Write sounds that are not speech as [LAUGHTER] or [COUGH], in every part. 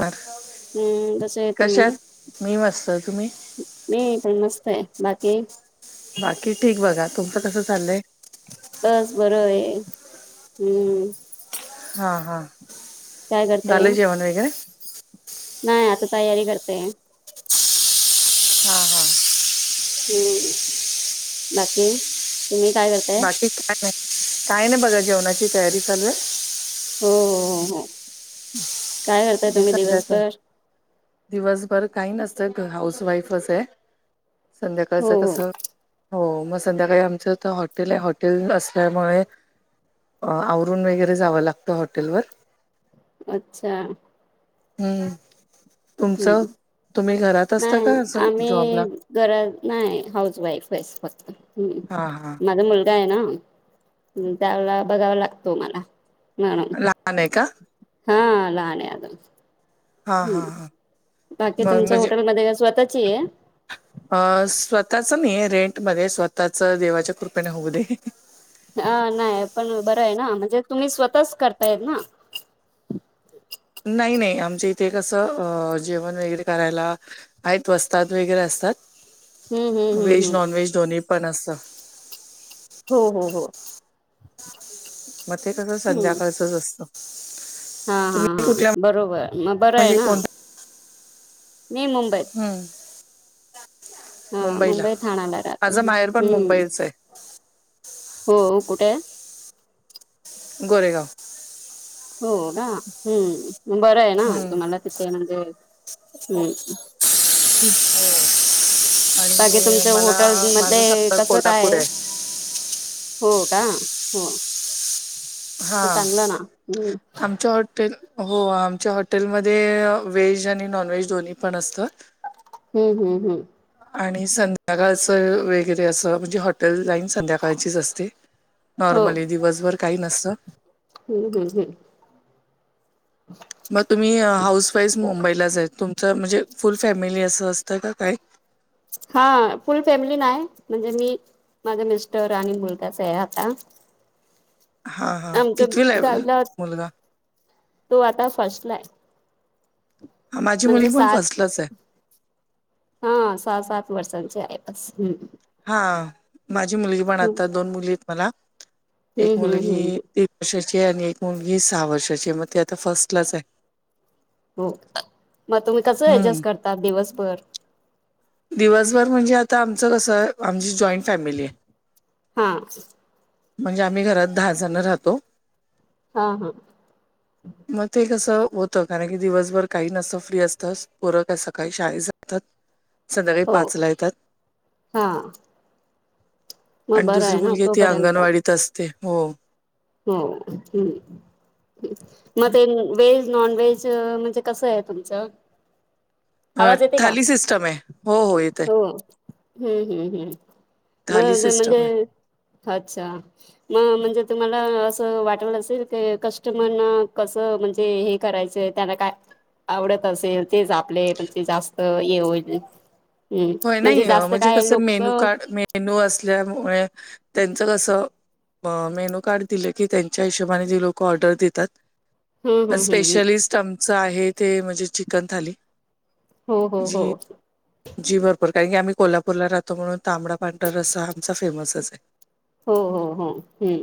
नमस्कार कस आहे तुम्ही? कशात मी मस्त तुम्ही मी पण मस्त आहे, बाकी? बाकी ठीक बघा. तुमचं कसं चालंय बस बर आहे. हम्म हा हा, काय करतेय? झालं जेवण वगैरे? नाही आता तयारी करते हां हां हम्म बाकी, तुम्ही काय करताय? बाकी काय नाही काय ना बघा जेवणाची तयारी चालू आहे हम्म, हो हो हो. काय करताय तुम्ही [UNINTELLIGIBLE] दिवसभर? दिवसभर काही नसतं हाऊस वाईफच आहे. संध्याकाळच हो हो कसं हो मग संध्याकाळी आमचं तर हॉटेल आहे. हॉटेल असल्यामुळे आवरून वगैरे जावं लागतं हॉटेलवर अच्छा! हम्म तुमचं हम्म तुम नाही आम्ही घरात नाही हाऊस वाईफ [INAUDIBLE] आहेस फक्त हां हां हम्म माझा मुलगा आहे ना? त्याला बघावा लागतो मला [INAUDIBLE] म्ह लहान आहे का? हा लहान अजुन हां हां हम्म हां बाकी मग तुमच्या म्हणजे हॉटेलमध्ये स्वतःची आहे अ स्वतःच नाही रेंटमध्ये स्वतःच देवाच्या कृपेने होऊ दे हा नाही पण बरं आहे ना, म्हणजे तुम्ही स्वतःच करता हाय ना नाही नाही आमच्या इथे कसं अ जेवण वगैरे करायला आहेत वस्तात वगैरे असतात हम्म हम्म हम्म व्हेज, हम्म नॉन व्हेज दोन्ही पण असतं हो हो हो मग ते कसं हम्म संध्याकाळच असतं हा, हा, तुम्ही हा कुठल्या बरोबर मग बरं आहे म्हणजे ना कोण मी मुंबईत हं, हा मुंबईला. मुंबई ठाण्याला राहत माझं माहेर पण हम्म मुंबईच आहे. हो कुठे, गोरे गाव हो का? हम्म बर आहे. ना हं. तुम्हाला तिथ म्हणजे? हम्म... बाकी आणि तुमच्या मला होटेल माझं मध्ये सासर कसं काय कोल्हापूर आहे? हो का? हो, हा चांगलं ना हम्म आमच्या हो आमच्या हॉटेलमध्ये व्हेज आणि नॉन व्हेज दोन्ही पण असतं. हम्म. हम्म. हम्म. आणि संध्याकाळचं वगैरे असं म्हणजे. Hotel lines. संध्याकाळचीच असते. हो नॉर्मली दिवसभर काही नसत. हम्म. हम्म. हम्म. मग तुम्ही हाऊस वाईफ मुंबईला आहेत. तुमचं म्हणजे फुल फॅमिली असं असतं का काय? हा फुल फॅमिली नाही. म्हणजे मी माझा मिस्टर आणि मुलगाच आहे आता. हा हा आमच्या कितवीला आहे गावीला मुलगा? तो आता फर्स्ट ला आहे. हा माझी म्हणजे मुलगी पण सात फर्स्ट लाच आहे. हा सहा, सात वर्षांची आहे. बस हम्म. हा माझी मुलगी पण आता दोन मुली आहेत मला हम्म एक हम्म मुलगी हम्म तीन वर्षाचे आणि एक मुलगी सहा वर्षाची, मग ते आता फर्स्टलाच आहे. हो. मग तुम्ही कसं हम्म ऍडजेस्ट करता दिवसभर? दिवसभर म्हणजे आता आमचं कसं आहे, आमची जॉईंट फॅमिली आहे. हा. म्हणजे आम्ही घरात दहा जण राहतो. हा हा,, [INAUDIBLE] मग ते कसं होतं, कारण की दिवसभर काही नसतं, फ्री असतं, पोरं काय सकाळी शाळेत जाता. संध्याकाळी हो पाचला येतात. हा मग आणि बरं दुसरी आहे ना मुलगी ती तोपर्यंत अंगणवाडीत असते हो. हम्म, हम्म मग ते व्हेज, नॉन व्हेज, म्हणजे कसं आहे तुमचं? अ, आवाज येते का? थाली सिस्टम आहे हो येत आहे हो, हम्म हम्म हम्म. थाली मग ते सिस्टम आहे म्हणजे, अच्छा! म म्हणजे तु मला असं वाटलं असेल, क कस्टमरला कसं म्हणजे हे करायचं, त्यांना काय आवडत असेल, तेच आपले म्ह न जे जास्त ये होईल. हम्म, होय म्हणजे नाही अ, जास्त काय कसं लोक मेनू कार्ड मेनू असल्यामुळे, त्यांचं कस मेनू कार्ड दिलं की त्यांच्या हिशोबाने जे लोक ऑर्डर देतात. पण हम्म हम्म हम्म स्पेशलिस्ट आमचं आहे ते म्हणजे चिकन थाली. हो हो हो,, जी जी बरोबर, कारण की आम्ही कोल्हापूरला राहतो. म्हणून तांबडा, पांढर रसा, आमचा फेमसच आहे. हो हो हो, हम्म,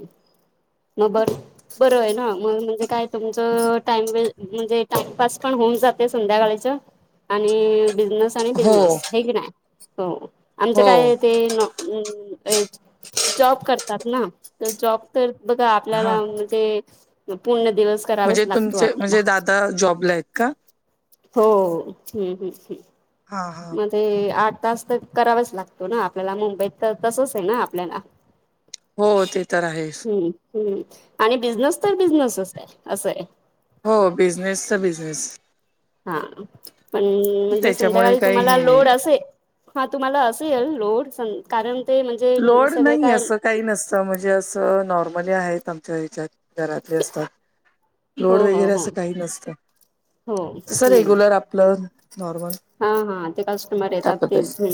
मग बर- बरं आहे ना, मग म्हणजे काय? तुमचं टाइम व म्हणजे टाइमपास पण होऊन जाते संध्याकाळीच. आणि बिझनेस आणि आहे हो बिझनेस हाय की नाही, हो आमच हो काय ते जॉब करतात ना, तर जॉब तर बघा हां, आपल्याला म्हणजे पूर्ण दिवस करावेच म्हणजे लागतो तुमचे आपल्याला म्हणजे दादा जॉबला आहेत का? हो हम्म हम्म हम्म हा हा, मग ते आठ तास तर करावाच लागतो ना आपल्याला, मुंबईत तर तसच आहे ना आपल्याला. हो ते तर आहेच. हम्म, हम्म, आणि बिझनेस तर बिझनेसच आहे. असं आहे. हो बिझनेसचा, बिझनेस. हा पण म्हणजे त्याच्यामुळे संध्याकाळी काही तुम्हाला हे लोड नाही. असे हा तुम्हाला असेल लोड, कारण ते म्हणजे लोड सगळे नाही काय असं काही नसतं म्हणजे असं नॉर्मली आहेत. आमच्या ह्याच्यात घरातले असतात. लोड हो हो वगैरे हो असं काही नसत. हो तस हम्म रेग्युलर आपलं नॉर्मल हा हा, ते कस्टमर त्या येतात तेच्. पद्धतीचं.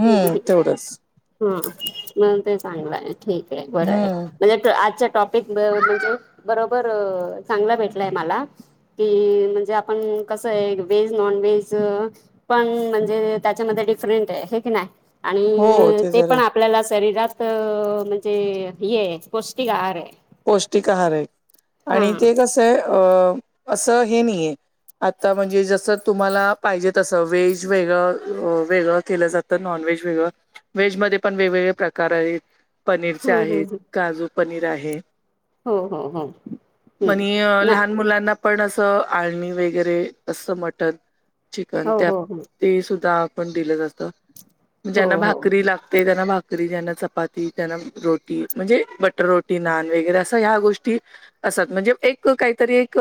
हम्म, तेवढंच. हा म ते चांगलं आहे, ठीक आहे, बरं आहे, हम्म, म्हणजे आजच्या टॉप म्हणजे बरोबर चांगला भेटलाय मला कि म्हणजे आपण कसं आहे, व्हेज नॉन व्हेज पण म्हणजे त्याच्यामध्ये डिफरंट आहे की नाही? हो आणि ते जर पण आहे. आपल्याला शरीरात म्हणजे हे आहे पौष्टिक आहार आहे. पौष्टिक आहार आहे. हा आणि ते कसं आहे अ असं हे नाहीये आंता म्हणजे जसं तुम्हांला पाहिजे तसं व्हेज वेगळं वेगळं केलं जातं. नॉन व्हेज वेगळं वेगं व्हेज मध्यें पणं वेगवेगळे प्रकार आहे पनीरचे ह आहेतं ह काजूं पनीर आहे हो हो हो म्हणे नाही लहांन मुलांना पणं असं आळणी वगैरें असं मटंण चिकन हो त्यां हो हो ते सुद्धां आपणं दिलं जाततं हो ज्यांना हो भाकरी लागतं ते त्यांना भाकरी जयांना चपाती त्यांना रोटी म्हणजे बटंर रोटी नान वगैरें असं ह्यां गोष्टी असतं म्हणजे एक कांहींतरी एक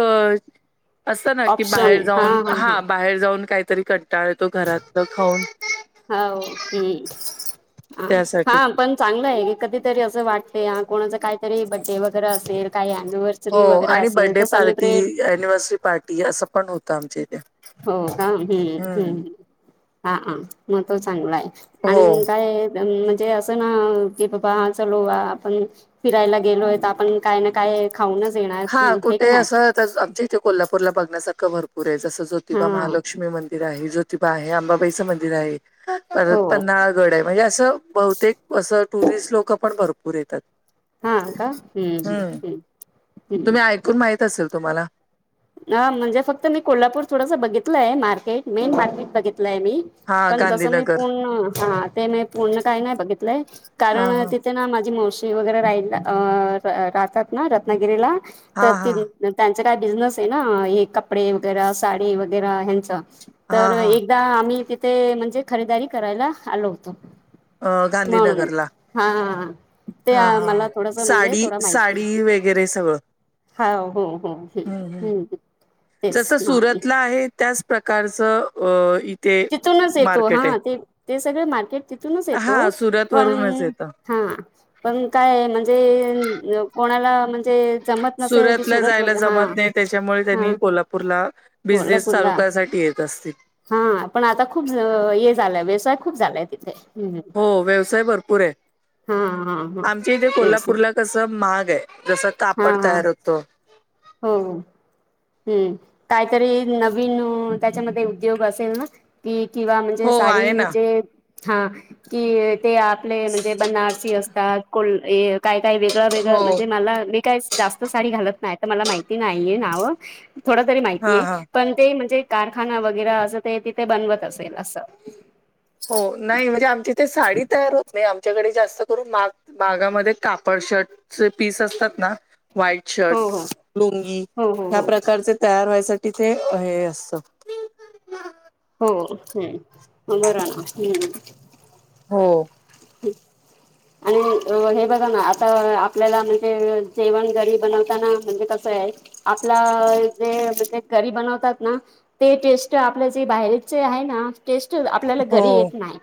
असं नां की ऑप्शन बाहेर हा जाऊंन हा हां बाहेर जाऊंन कांहींतरी कंटाळतो घरातलं खाऊंन हो हम्मं त्यासाठी. हां पणं चांगलं आहे कधीं तरी असं वाटते कोणाचं कांहींतरी बड्डे वगैरें असेल कांहीं एनिवर्सरी हो आणि बड्डे पार्टी अनिव्हर्सरी पार्टी असं पणं होतं आमच्यां इथे हो कां हम्म. हां मंग तो चांगला आहे आणि हो. कायं म्हणजे असं नां की बाबां हा चालूं आपणं फिरांयला गेलोय तरं आपणं कायं नां कायं खाऊंनच येणारं हे की नाहीं आंता आमच्या इथे कोल्हापूर बघण्यांसारं भरंपूर आहे जसं हा ज्योतिबामहांलक्ष्मी मंदिर मंदिर आहे जोतिबा आहे अंबाबाईचं मंदिर आहे हो परंत पन्नास गंड आहे म्हणजे असं बहुतेक असं टुरिस्ट लोकं पणं भरंपूर येतांत हां अं कां हम्मं हम्मं हम्मं तुम्हीं ऐकूंन माहित असेल तुम्हांला हं म्हणजे फक्तं मी कोल्हापूर थोडंस बघितलंय मार्केट मेन मार्केट बघितलंय मी हा पणं तसं मी गांधीनगर पूर्ण हां ते मी पूर्ण कांहीं नाहीं बघितलंय ह कारणि ह ते नां माझी मावशी वगैरें राहितं राहतांत नां रत्नागिरीलां हा तरं ती हा त्यांच कायं बिझनेस आहे नां हे कपडे वगैरें सांडी वगैरें ह्यांच हा तरं हा एक एक आम्हीं तिथे म्हणजे खरेदारी करांयला आलो होतो अं म्हणून गांधीनगरलां हा ते हां हां मला थोडस म्हणजे सांडी सांडी वगैरें सगळं हां हो हो हम्म हम्म हम्मं जसं सुरतेला आहे त्याचं प्रकारचं अं तिथून चं येतो हां ते ते सगळं मार्केट तिथूंनच येतो हा सुरत वरूनच पणं येतं हां पणं कायं म्हणजे कोणांला म्हणजे जमत नसेल की सुरतला सुरत जायंला वगैरे हा जमांत नाहीं त्यांच्यामुळे हा त्यांनी कोल्हांपूरला बिझनेस चालूं आहे करांयसांठी येतं असतील हां पणं आंता खूंप हे झालंय व्यवसांय खूंप झालायं तिथे हम्म हो व्यवसाय भरंपूर आहे हा हा हा आमच्या इथे तेच कोल्हांपूरला कसं मागं आहे जसं हा तापडं हा तयार होतो हो हम्मं कांहींतरी नवीन त्यांच्यामध्ये उद्योग असेल नां कि किंवा म्हणजे हो आहे सांडी ना जे हां कि ते आपले म्हणजे बनारसी असतांत को कायं कायं वेगळं वेगळं हो. म्हणजे मलां मी कायं जास्तं सांडी घालतं नाहीं तरं मलां माहिती नाहींये नावं थोडं तरी हा माहितीय हा पणं ते म्हणजे कारखांना वगैरें असं ते तिथे बनवंत असेल असं हो नाहीं म्हणजे आमची ते सांडी तयार होतं नाहीं आमच्यांकडे जास्तं करूंन मागं बागांमध्ये कापडं शर्टचे पीस असतांत नां व्हाईट शर्ट हो हो लोंगी हो ह्यां हो प्रकारचे तयार व्हांयसाठी ते हे असतं हो बरं ना् हो हो ते आणि हे बघा ना, आता आपल्याला म्हणजे जेवण घरी बनवताना म्हणजे कसं आहे. आपला जे म्हणजे घरी बनवतात ना. ते टेस्ट आपल्या जे बाहेरचे आहे ना. टेस्ट आपल्याला घरी हो. येत नाही,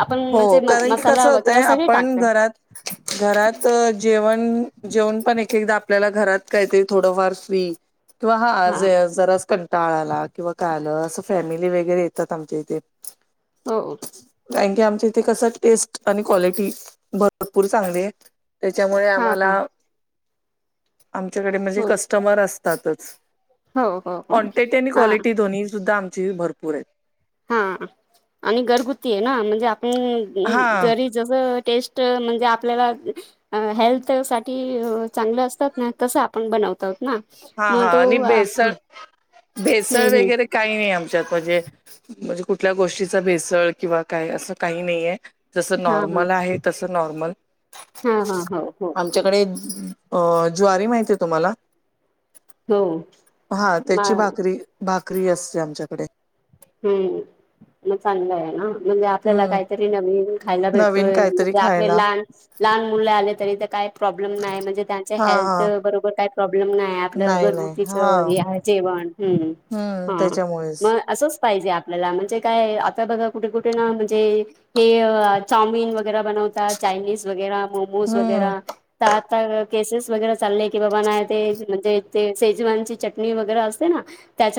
आप हो म्हण म- कारण की मसाला कसं होतय वगैरे सगळे आपण टाकतोय घरात- घराचं जेवण, जेवण पण एक एकदा आपल्याला घरात काहीतरी थोडंफार फ्री- किंवा हा आज जरा कंटाळाला किंवा कालं असं फॅमिली वगैरे येतात आमच्या इथे. हो हो कारण की आमच्या इथे कसं टेस्ट आणि क्वालिटी भरपूर चांगली आहे. त्यांच्यामुळे हा आम्हाला हा आमच्याकडे म्हणजे हो कस्टमर असतातच. हो हो हो क्वांटिटी आणि हा क्वालिटी दोन्ही सुद्धा आमची भरपूर आहेत. हा हा आणि घरगुती आहे ना म्हणजे आपण हा घरी. जसं टेस्ट म्हणजे आपल्याला- हेल्थ साठी चांगलं असतात ना, तसं आपण बनवत आहोत ना. हा मग हा तो आणि भेसळ, हम्म भेसळ हम्म वगैरे काही नाही आमच्यात म्हणजे- म्हणजे कुठल्या गोष्टीचा भेसळ किंवा काय असं काही नाहीे. जसं हा हा नॉर्मल आहे तस नॉर्मल- हा हा हो हो आम्हच्याकडे अ ज्वारी माहिती आहे तुम्हाला? हो हा म त्याची भाकरी भाकरी असते आमच्याकडे- हम्म म चांगलं आहे ना. म्हणजे आपल्याला हम्म. काहीतरी नवीन खायला नवीन भेटतोय काहीतरी म्हणजे आपले खायला लहान- लहान मुलं आले तरी तर काय प्रॉब्लेम नाही, म्हणजे त्यांच्या हा हा हेल्थ बरोबर काही प्रॉब्लेम नाही. आपलं नाही घरगुतीच हा जेवण हम्म त्याच्यामुळेच मग अस- पाहिजे आपल्याला म्हणजे काय आता बघा कुठे कुठे ना म्हणजे. हे चामिन वगैरे बनवतात, चायनीज वगैरे मोमोज हम्म वगैरे. आता केसेस वगैरे चालले की बाबा ना ते म्हणजे ते शेजवानची चटणी वगैरे असते ना.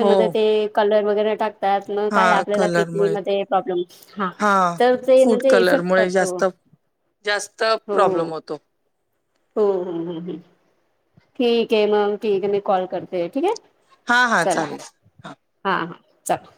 हो ते कलर वगैरे टाक- त्यात मग हा काय आपल्याला कलरमुळे किडनीमध्येध्ये प्रॉब्लेम हा तर ते फूड म्हणजे इफेक्ट कलरमुळे पडतो. जास्त जास्त हो प्रॉब्लेम होतो. हो ह ह ह ठीक आहे मग. ठीक आहे मी कॉल करते ठीक आहे. हा हा चालेल हा हा चल-